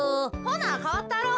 ほなかわったろ。